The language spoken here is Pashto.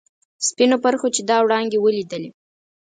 سپینو پرخو چې دا وړانګې ولیدلي.